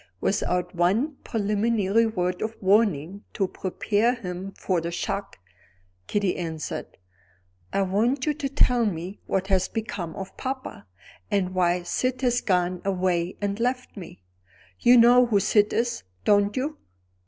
Without one preliminary word of warning to prepare him for the shock, Kitty answered: "I want you to tell me what has become of papa, and why Syd has gone away and left me. You know who Syd is, don't you?"